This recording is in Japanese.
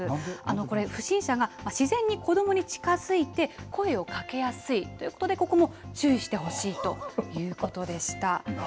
これ不審者が自然に子どもに近づいて声をかけやすいということでここも注意してほしいということでした。